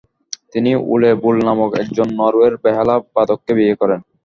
তিনি Ole Bull নামক একজন নরওয়ের বেহালা বাদককে বিয়ে করেন।